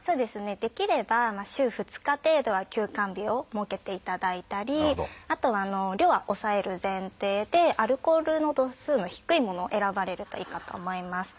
できれば週２日程度は休肝日を設けていただいたりあと量は抑える前提でアルコールの度数の低いものを選ばれるといいかと思います。